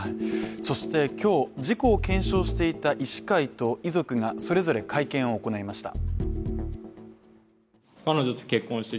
そして今日事故を検証していた医師会と遺族がぞれぞれ会見を行いました。